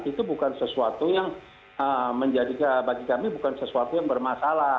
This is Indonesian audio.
itu bukan sesuatu yang menjadi bagi kami bukan sesuatu yang bermasalah